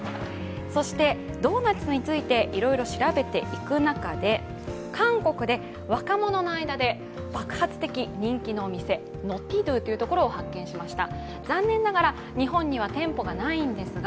そしてドーナツについていろいろ調べていく中で、韓国で若者の間で爆発的人気のお店ノティドゥを発見しました。